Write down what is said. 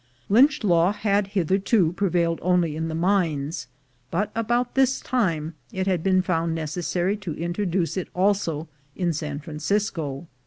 Lynch law had hitherto prevailed only in the mines; but about this time it had been found necessary to introduce it also in San Francisco.